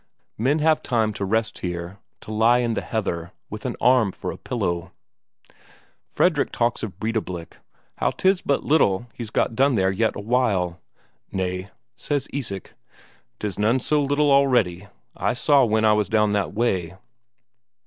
Men have time to rest here, to lie in the heather, with an arm for a pillow. Fredrik talks of Breidablik, how 'tis but little he's got done there yet awhile. "Nay," says Isak, "'tis none so little already, I saw when I was down that way."